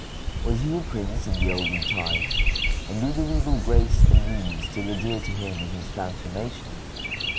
Was he a prince in the olden time, and do the regal grace and mien still adhere to him in his transformation?